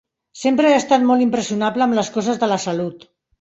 Sempre he estat molt impressionable amb les coses de la salut.